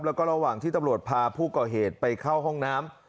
แล้วก็ระหว่างที่ตำรวจพาผู้ก่อเหตุไปเข้าห้องน้ำ